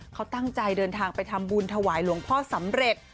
เขาตั้งใจเดินทางไปทำบุญถวายหลวงพ่อสำเร็จ